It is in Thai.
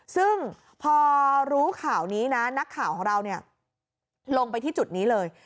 ซึ่งพอรู้ข่าวนี้นะนักข่าวของเราลงไปที่จุดนี้เลย